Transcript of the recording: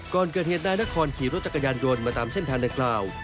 ก่อนเกิดเหตุนายนครขี่รถจักรยานยนต์มาตามเส้นทางดังกล่าว